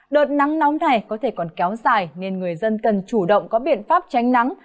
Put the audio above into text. đợt nắng nóng này có thể còn kéo dài nên người dân cần chủ động có biện pháp tránh nắng